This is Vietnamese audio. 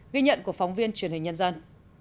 ghi nhận của phóng viên truyền hình nhân dân